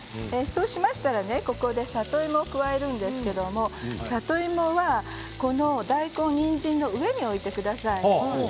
そうしましたら、ここで里芋を加えるんですけれども里芋はこの大根、にんじんの上に置いてください。